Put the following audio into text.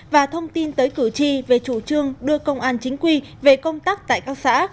và thông tin tới cử tri về chủ trương đưa công an chính quy về công tác tại các xã